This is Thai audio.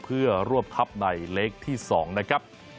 เพื่อร่วมทับในเล็กที่๒นะครับ